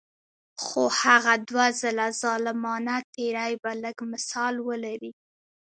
خو هغه دوه ځله ظالمانه تیری به لږ مثال ولري.